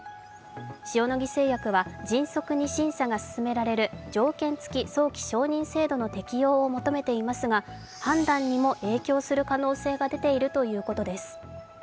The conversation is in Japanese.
塩野義製薬は迅速に審査が進められる条件付き早期承認制度の適用を求めていますが判断にも影響する可能性が出ているということです。